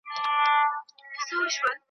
د ملغلري یو آب دی چي ولاړ سي